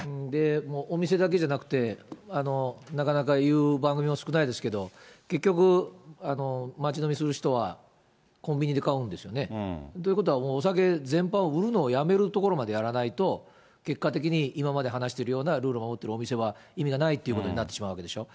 もうお店だけじゃなくて、なかなか言う番組も少ないですけど、結局、街飲みする人は、コンビニで買うんですよね。ということは、もうお酒全般を売るのをやめるところまでやらないと、結果的に今まで話してるような、ルールを守っているお店は意味がないということになってしまうわけでしょ。